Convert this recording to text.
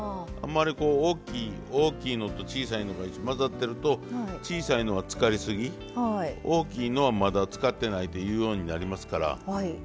あんまりこう大きいのと小さいのが混ざってると小さいのはつかりすぎ大きいのはまだつかってないというようになりますから。